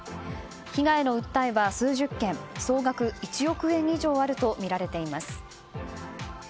被害の訴えは数十件総額１億円以上あるとみられています。